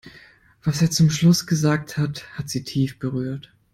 Was er zum Schluss gesagt hat, hat sie tief berührt.